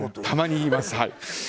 たまに言います。